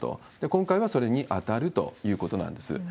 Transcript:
今回はそれに当たるということなんです。